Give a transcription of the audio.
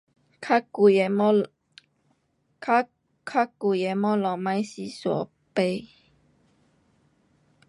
太贵东西不要去买。